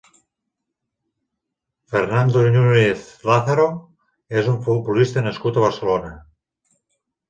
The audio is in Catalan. Fernando Núñez Lázaro és un futbolista nascut a Barcelona.